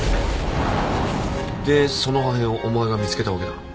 でその破片をお前が見つけたわけだ。